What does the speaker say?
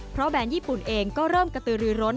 เพราะแบรนด์ญี่ปุ่นเองก็เริ่มกระตือรือร้น